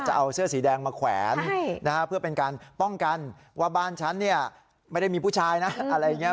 จะเอาเสื้อสีแดงมาแขวนเพื่อเป็นการป้องกันว่าบ้านฉันเนี่ยไม่ได้มีผู้ชายนะอะไรอย่างนี้